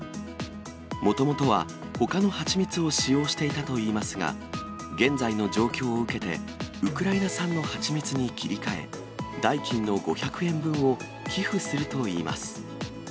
もともとはほかの蜂蜜を使用していたといいますが、現在の状況を受けて、ウクライナ産の蜂蜜に切り替え、代金の５００円分を寄付するといいます。